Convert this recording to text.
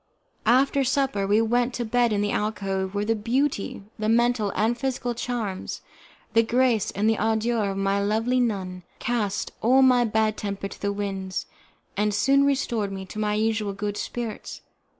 After supper we went to bed in the alcove, where the beauty, the mental and physical charms, the grace and the ardour of my lovely nun, cast all my bad temper to the winds, and soon restored me to my usual good spirits.